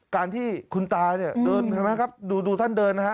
การที่คุณตาเนี่ยเดินเห็นไหมครับดูท่านเดินนะฮะ